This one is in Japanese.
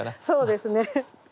そうですね